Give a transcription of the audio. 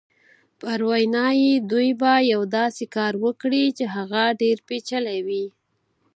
په وینا یې دوی به یو داسې کار وکړي چې هغه ډېر پېچلی وي.